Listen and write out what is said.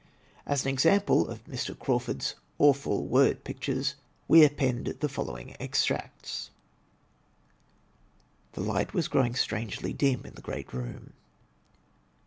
As an example of Mr. Crawford's awful word pictures we append the following extracts: The light was growing strangely dim in the great room.